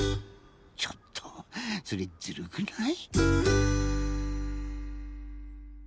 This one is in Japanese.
ちょっとそれずるくない？